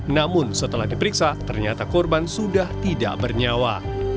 namun setelah diperiksa ternyata korban sudah tidak bernyawa